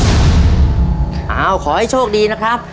เอาขอให้โชคดีนะครับ